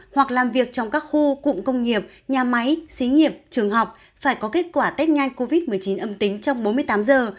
hoặc làm việc trong các khu cụm công nghiệp nhà máy xí nghiệp trường học phải có kết quả test nhanh covid một mươi chín âm tính trong bốn mươi tám giờ